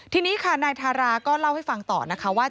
ทีนี้ค่ะนายทาราก็เล่าให้ฟังต่อนะคะว่า